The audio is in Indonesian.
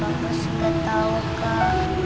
aku enggak tahu kak